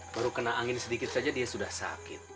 baru kena angin sedikit saja dia sudah sakit